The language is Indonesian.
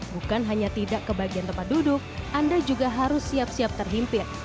bukan hanya tidak ke bagian tempat duduk anda juga harus siap siap terhimpit